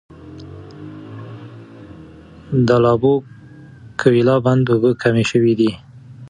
د لابوکویلا بند اوبه کمې شوي دي.